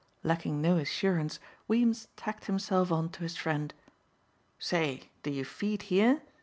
Lacking no assurance Weems tacked himself on to his friend. "Say, do you feed here?"